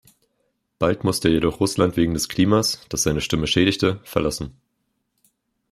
Bald musste er jedoch Russland wegen des Klimas, das seine Stimme schädigte, verlassen.